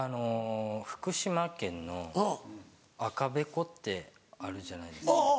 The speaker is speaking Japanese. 福島県の赤べこってあるじゃないですか。